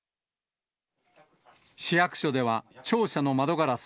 市役所では、庁舎の窓ガラス